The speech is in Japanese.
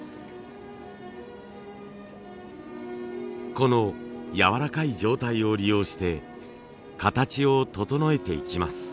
このやわらかい状態を利用して形を整えていきます。